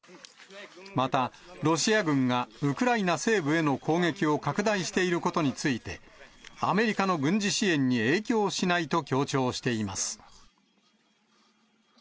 また、ロシア軍がウクライナ西部への攻撃を拡大していることについて、アメリカの軍事支援に影響しないと強調しています。